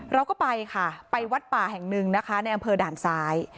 เราก็ไปค่ะไปวัดป่าแห่งหนึ่งนะคะในอำเภอด่านซ้าย